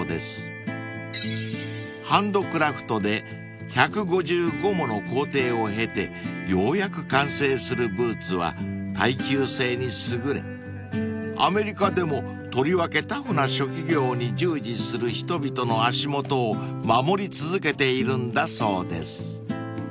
［ハンドクラフトで１５５もの工程を経てようやく完成するブーツは耐久性に優れアメリカでもとりわけタフな職業に従事する人々の足元を守り続けているんだそうです］